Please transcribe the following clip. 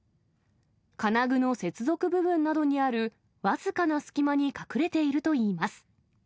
金具の接続部分などにある僅かな隙間に隠れているといいます。